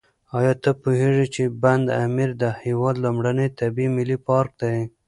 ایا ته پوهېږې چې بند امیر د هېواد لومړنی طبیعي ملي پارک دی؟